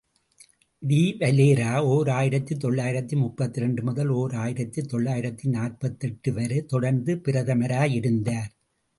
D Valera ஓர் ஆயிரத்து தொள்ளாயிரத்து முப்பத்திரண்டு முதல் ஓர் ஆயிரத்து தொள்ளாயிரத்து நாற்பத்தெட்டு வரை தொடர்ந்து பிரதமராயிருந்தார்.